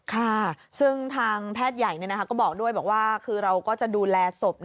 ค่ะซึ่งทางแพทย์ใหญ่ก็บอกด้วยบอกว่าคือเราก็จะดูแลศพ